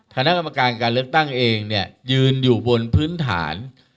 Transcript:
คณะกรรมการการเลือกตั้งเองเนี่ยยืนอยู่บนพื้นฐาน